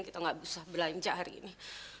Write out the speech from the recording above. kita gak usah belanja hari ini